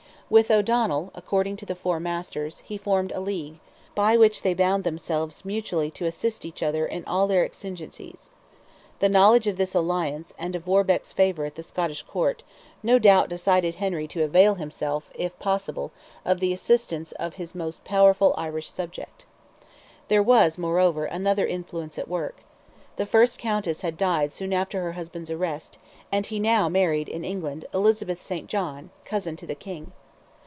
With O'Donnell, according to the Four Masters, he formed a league, by which they bound themselves "mutually to assist each other in all their exigencies." The knowledge of this alliance, and of Warbeck's favour at the Scottish Court, no doubt decided Henry to avail himself, if possible, of the assistance of his most powerful Irish subject. There was, moreover, another influence at work. The first countess had died soon after her husband's arrest, and he now married, in England, Elizabeth St. John, cousin to the King.